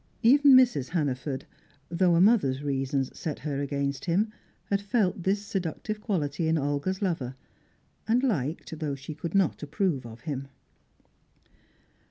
Even Mrs. Hannaford, though a mother's reasons set her against him, had felt this seductive quality in Olga's lover, and liked though she could not approve of him.